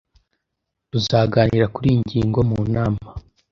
Tuzaganira kuri iyi ngingo mu nama